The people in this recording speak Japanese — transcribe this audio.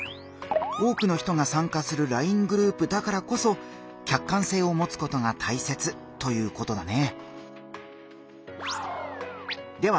多くの人が参加するＬＩＮＥグループだからこそ客観性をもつことがたいせつということだね。